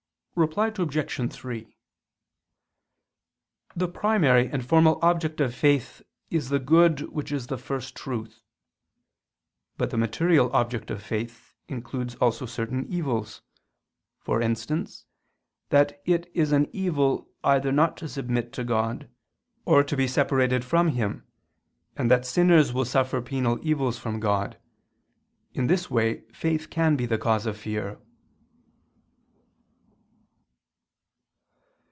Reply Obj. 3: The primary and formal object of faith is the good which is the First Truth; but the material object of faith includes also certain evils; for instance, that it is an evil either not to submit to God, or to be separated from Him, and that sinners will suffer penal evils from God: in this way faith can be the cause of fear.